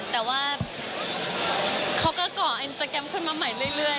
แต่ว่าเขาก็ก่ออินสตาแกรมขึ้นมาใหม่เรื่อย